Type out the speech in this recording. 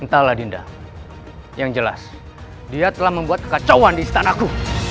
yang jelas dia telah membuat kekacauan di istanaku